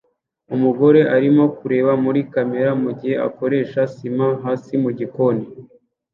Umugore arimo kureba muri kamera mugihe akoresha sima hasi mugikoni